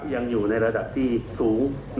ยังอยู่ในระดับที่สูง